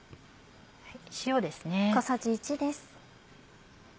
塩ですね。